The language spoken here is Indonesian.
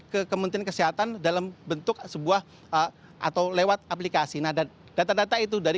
ke kementerian kesehatan dalam bentuk sebuah atau lewat aplikasi nah data data itu dari